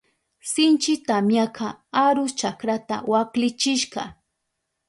Sinchi tamyaka arus chakrata waklichishka.